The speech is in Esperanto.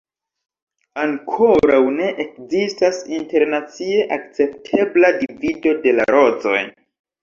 Ankoraŭ ne ekzistas internacie akceptebla divido de la rozoj.